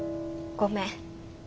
ごめん。